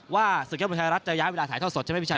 ศึกยอดมวยไทยรัฐจะย้ายเวลาถ่ายทอดสดใช่ไหมพี่ชัย